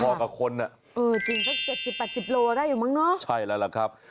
พอกับคนนะเออจริงถ้าเจ็บ๘๐โลได้อยู่มั้งเนาะใช่แล้วล่ะครับ